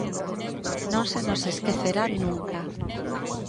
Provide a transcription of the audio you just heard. Non se nos esquecerá nunca.